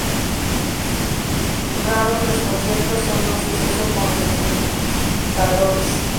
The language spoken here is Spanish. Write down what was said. Raros, los conciertos son un suceso con los espectadores.